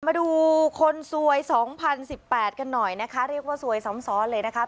มาดูคนสวย๒๐๑๘กันหน่อยนะคะเรียกว่าซวยซ้ำซ้อนเลยนะคะ